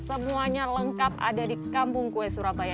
semuanya lengkap ada di kampung kue surabaya